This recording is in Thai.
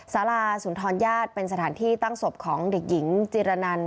สาราสุนทรญาติเป็นสถานที่ตั้งศพของเด็กหญิงจิรนัน